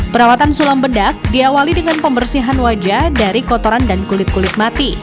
perawatan sulam bedak diawali dengan pembersihan wajah dari kotoran dan kulit kulit mati